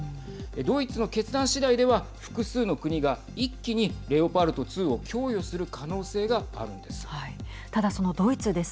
ドイツの決断次第では複数の国が一気にレオパルト２を供与する可能性があるんです。